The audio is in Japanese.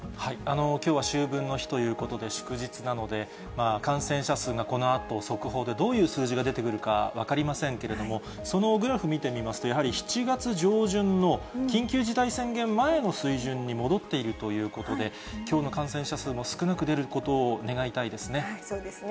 きょうは秋分の日ということで祝日なので、感染者数がこのあと、速報でどういう数字が出てくるか分かりませんけれども、そのグラフ見てみますと、やはり７月上旬の緊急事態宣言前の水準に戻っているということで、きょうの感染者数も少なく出ることを願いたいですね。